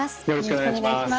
よろしくお願いします。